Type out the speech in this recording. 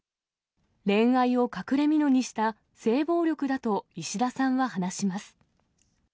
恋愛を隠れみのにした性暴力だと石田さんは話します。